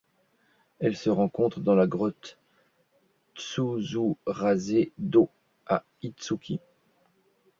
Elle se rencontre dans la grotte Tsuzurase-do à Itsuki.